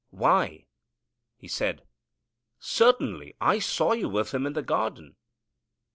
"Why," he said, "certainly I saw you with Him in the garden."